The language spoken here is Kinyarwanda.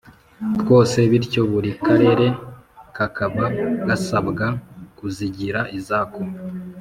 twose bityo buri karere kakaba gasabwa kuzigira izako